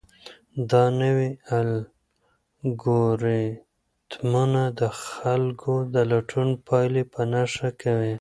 دا نوي الګوریتمونه د خلکو د لټون پایلې په نښه کوي.